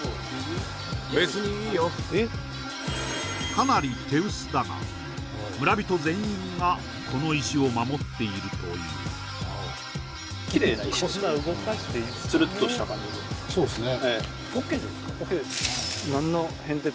かなり手薄だが村人全員がこの石を守っているというそうですね